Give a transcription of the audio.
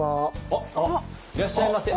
あっいらっしゃいませ。